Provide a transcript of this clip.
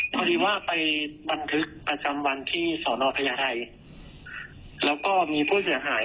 พอดีว่าไปบันทึกประจำวันที่สอนอพญาไทยแล้วก็มีผู้เสียหาย